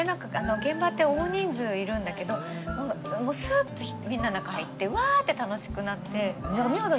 現場って大人数いるんだけどもうすっとみんなの中入ってうわって楽しくなって。